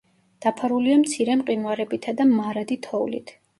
დაფარულია მცირე მყინვარებითა და მარადი თოვლით.